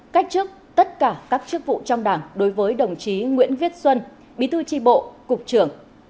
cách chức tất cả các chức vụ trong đảng đối với đồng chí nguyễn viết xuân bí thư tri bộ cục trưởng